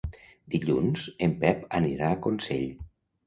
Dilluns en Pep anirà a Consell.